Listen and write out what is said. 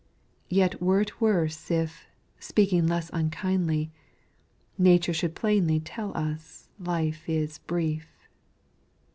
Yet were it worse if, speaking less unkindly, Nature should plainly tell us life is brief.